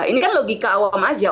ini kan logika awam aja